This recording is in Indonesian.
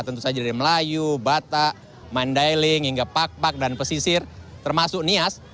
tentu saja dari melayu batak mandailing hingga pak pak dan pesisir termasuk nias